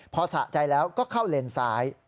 พอสะใจแล้วก็เข้าเลนซ้าย